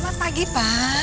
selamat pagi pak